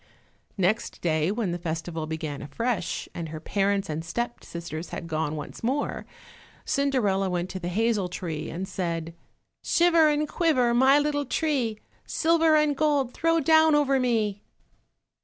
Next day when the festival began afresh, and her parents and the step sisters had gone once more, Cinderella went to the hazel tree and said— "Shiver and quiver, my little tree, Silver and gold throw down over me."